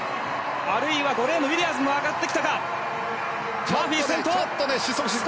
あるいは５レーンのウィリアムズも上がってきたか。